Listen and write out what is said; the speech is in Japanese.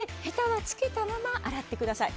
なので、ヘタはつけたまま洗ってください。